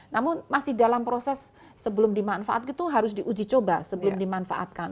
namun masih dalam proses sebelum dimanfaatkan itu harus diuji coba sebelum dimanfaatkan